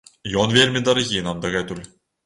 Ён вельмі дарагі нам дагэтуль.